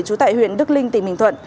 trú tại huyện đức linh tỉnh bình thuận